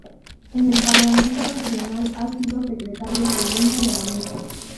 En el Parlamento regional, ha sido secretario segundo de la Mesa.